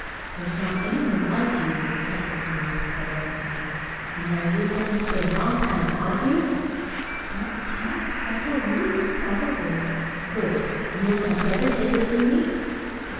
There's not any one like you," cut in the youth fervently. "And now you're going to stay a long time, aren't you?" "Y yes, several weeks, probably." "Good! And you'll come every day to see me?"